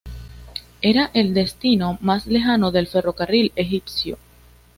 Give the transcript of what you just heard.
Era el destino más lejano del ferrocarril egipcio.